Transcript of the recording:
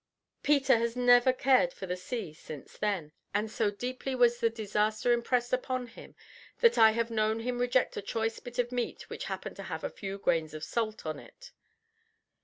Peter has never cared for the sea since then, and so deeply was the disaster impressed upon him that I have known him reject a choice bit of meat which happened to have a few grains of salt on it.